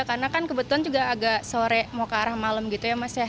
karena kan kebetulan juga agak sore mau ke arah malem gitu ya mas ya